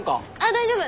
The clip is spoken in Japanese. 大丈夫。